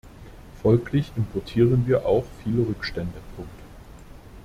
Folglich importieren wir auch viele Rückstände.